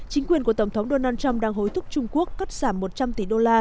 chính quyền của tổng thống donald trump đang hối thúc trung quốc cắt giảm một trăm linh tỷ đô la